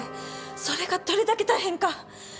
それがどれだけ大変か。